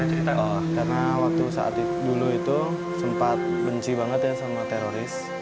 karena waktu dulu itu sempat benci banget sama teroris